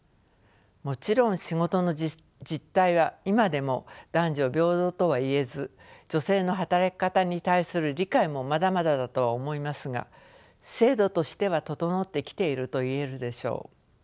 もちろん仕事の実態は今でも男女平等とは言えず女性の働き方に対する理解もまだまだだとは思いますが制度としては整ってきていると言えるでしょう。